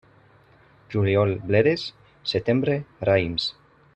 Juliol, bledes; setembre, raïms.